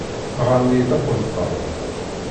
Ɣɣaren-iyi-d aqebṭan.